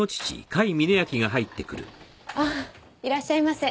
ああいらっしゃいませ。